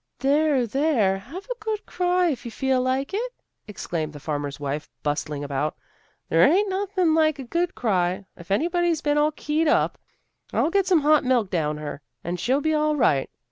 " There! There! Have a good cry if you feel like it," exclaimed the farmer's wife, bustling about. " There ain't nothing like a good cry, if anybody's been all keyed up. I'll get some hot milk down her, and she'll be all right.